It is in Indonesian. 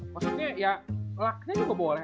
maksudnya ya lucknya juga boleh